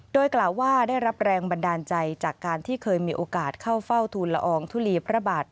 โดยกล่าวว่าได้รับแรงบันดาลใจจากการที่เคยมีโอกาสเข้าเฝ้าทูลละอองทุลีพระบาท